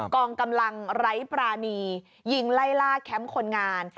กองกำลังไร้ปรานียิงไล่ล่าแคมป์คนงาน